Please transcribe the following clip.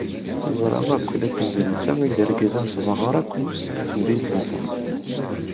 Neẓra akk dakken d netta ay d argaz anesbaɣur akk deg temdint-nteɣ.